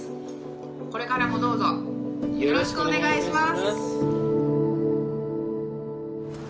これからもどうぞよろしくお願いします！